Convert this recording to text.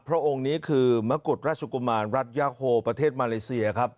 พระองค์นี้คือมะกุฎราชกุมารรัฐยาโฮประเทศมาเลเซียครับ